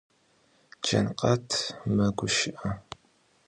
Cankhat meguşı'e.